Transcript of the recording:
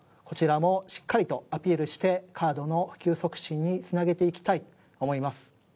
こちらもしっかりとアピールしてカードの普及促進に繋げていきたいと思います。